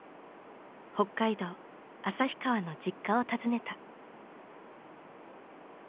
北海道旭川の実家を訪ねた。